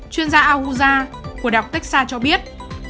chuyên gia ahuja của đh texas cho biết